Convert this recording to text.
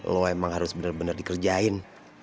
lo emang harus bener bener dikerjain